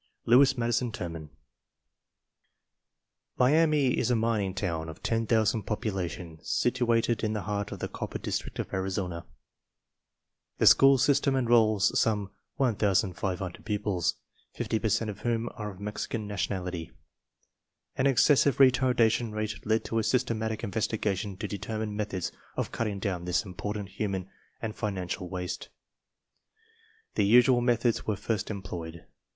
(L. M. T.) Miami is a mining town of 10,000 population situated in the heart of the copper district of Arizona. The school system enrolls some 1500 pupils, 50 per cent of whom are of Mexican nationality. An excessive retardation rate led to a systematic investigation to determine methods of cutting down this important human and financial waste. \The usual methods were first employed.